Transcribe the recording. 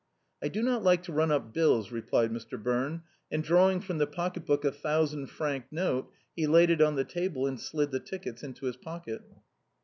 " I do not like to run up bills," replied Mr. Birne ; and drawing from the pocket book a thousand franc note, he laid it on the table and slid the tickets into his pocket.